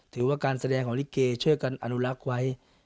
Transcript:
ถือว่าการแสดงของลิเกช่วยกันอนุรักษ์ไว้